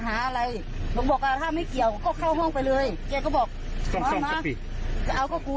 หนูก็ป้องกันตัวค่ะหนู